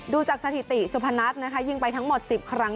ดูจากสถิติสุพนัทนะคะยิงไปทั้งหมด๑๐ครั้ง